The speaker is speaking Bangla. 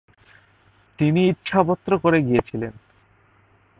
তিনি ইচ্ছাপত্র করে গিয়েছিলেন।